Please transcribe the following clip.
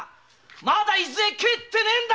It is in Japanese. まだ伊豆へ帰ってねえんだよ！